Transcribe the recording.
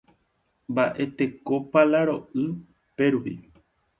Mba'etekópa la ro'y pérupi.